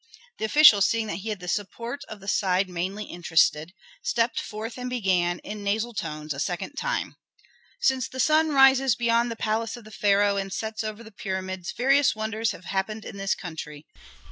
The official, seeing that he had the support of the side mainly interested, stepped forth and began, in nasal tones, a second time, "Since the sun rises beyond the palace of the pharaoh and sets over the pyramids, various wonders have happened in this country.